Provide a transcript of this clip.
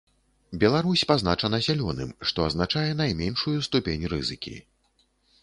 Беларусь пазначана зялёным, што азначае найменшую ступень рызыкі.